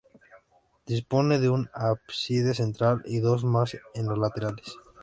Dispone de un ábside central y dos más en los laterales.